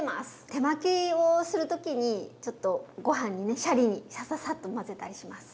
手巻きをする時にちょっとご飯にねシャリにサササッと混ぜたりします。